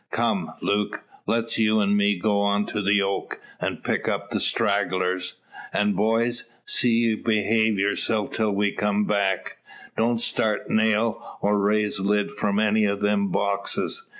Come, Luke! let you an' me go on to the oak, and pick up the stragglers. An' boys! see ye behave yourselves till we come back. Don't start nail, or raise lid, from any o' them boxes.